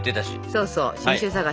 そうそう新種探し。